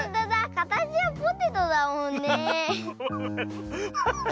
かたちはポテトだもんねえ。